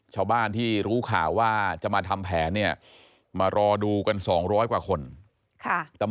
ชาวบ้านที่รู้ข่าวว่าจะมาทำแผนเนี่ยมารอดูกัน๒๐๐กว่าคน